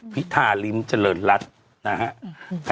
พิธาริมเจริญรัฐนะฮะ